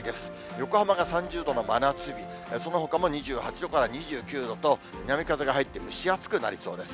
横浜が３０度の真夏日、そのほかも２８度から２９度と、南風が入って、蒸し暑くなりそうです。